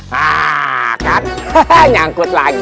pak d nyangkut lagi